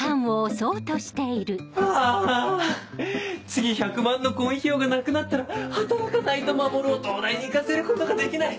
月１００万の婚姻費用がなくなったら働かないと守を東大に行かせることができない。